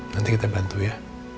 nanti kita bantu ya